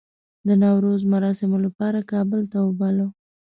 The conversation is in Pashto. د نوروز مراسمو لپاره کابل ته وباله.